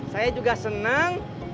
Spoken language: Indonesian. saya juga senang